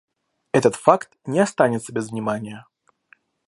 Этот факт не останется без внимания.